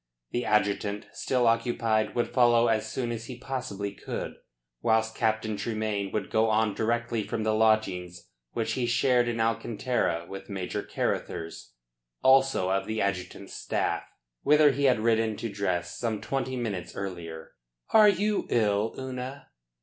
The adjutant, still occupied, would follow as soon as he possibly could, whilst Captain Tremayne would go on directly from the lodgings which he shared in Alcantara with Major Carruthers also of the adjutant's staff whither he had ridden to dress some twenty minutes earlier. "Are you ill, Una?"